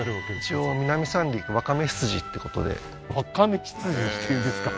一応南三陸わかめ羊ってことでわかめ羊っていうんですか？